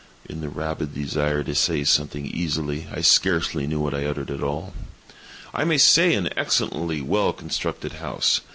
(In the rabid desire to say something easily, I scarcely knew what I uttered at all.)—"I may say an excellently well constructed house.